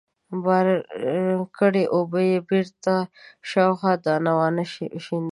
بار کړې اوبه يې بېرته شاوخوا دانه وانه وشيندلې.